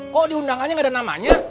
kok diundangannya gak ada namanya